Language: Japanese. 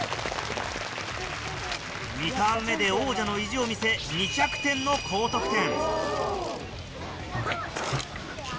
２ターン目で王者の意地を見せ２００点の高得点。